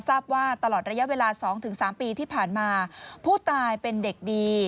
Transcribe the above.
ทราบว่าตลอดระยะเวลา๒๓ปีที่ผ่านมาผู้ตายเป็นเด็กดี